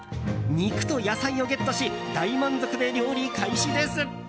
肉と野菜をゲットし大満足で料理開始です。